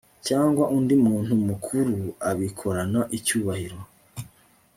cyangwa undi muntu mukuru abikorana icyubahiro